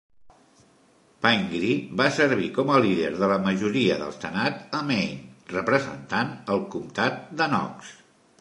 Pingree va servir com a líder de la majoria del senat a Maine representant el comtat de Knox.